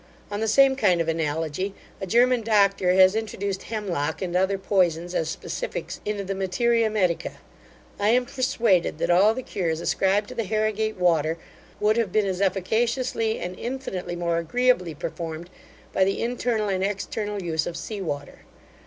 On the same kind of analogy, a German doctor has introduced hemlock and other poisons, as specifics, into the materia medica. I am persuaded, that all the cures ascribed to the Harrigate water, would have been as efficaciously, and infinitely more agreeably performed, by the internal and external use of seawater.